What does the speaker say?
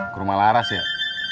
ke rumah laras ya